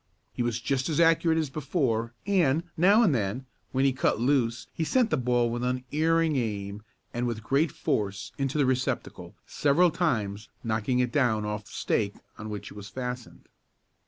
He was just as accurate as before, and, now and then, when he cut loose, he sent the ball with unerring aim and with great force into the receptacle, several times knocking it down off the stake on which it was fastened.